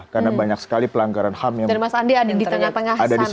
karena banyak sekali pelanggaran ham yang ada di situ